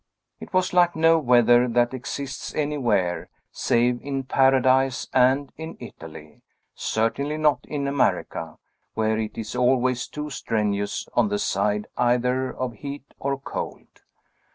It was like no weather that exists anywhere, save in Paradise and in Italy; certainly not in America, where it is always too strenuous on the side either of heat or cold.